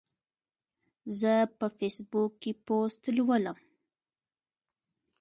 زه په فیسبوک کې پوسټ لولم.